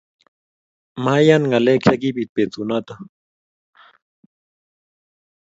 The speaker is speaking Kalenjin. Mayan ngalek che kibit betunoto